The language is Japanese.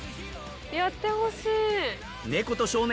やってほしい。